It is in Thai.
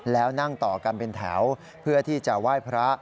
แล้วนั่งต่อกันเป็นแถวเพื่อที่จะไหว้พระ